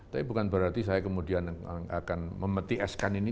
tapi bukan berarti saya kemudian akan memeti eskan ini